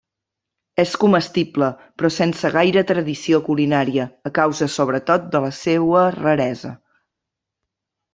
És comestible, però sense gaire tradició culinària, a causa sobretot de la seua raresa.